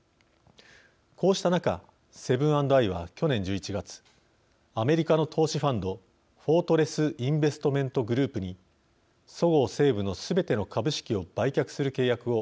こうした中セブン＆アイは去年１１月アメリカの投資ファンドフォートレス・インベストメント・グループにそごう・西武のすべての株式を売却する契約を結びました。